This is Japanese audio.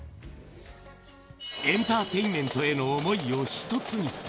エンターテインメントへの想いを一つに。